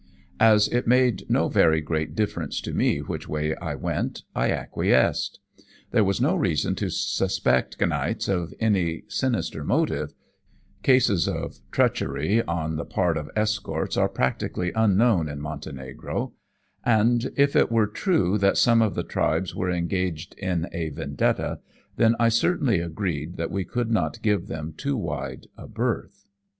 As it made no very great difference to me which way I went, I acquiesced. There was no reason to suspect Kniaz of any sinister motive cases of treachery on the part of escorts are practically unknown in Montenegro and if it were true that some of the tribes were engaged in a vendetta, then I certainly agreed that we could not give them too wide a berth.